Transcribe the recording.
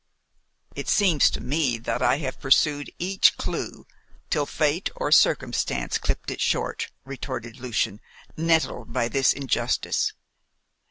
"It seems to me that I have pursued each clue until fate or circumstance clipped it short," retorted Lucian, nettled by this injustice.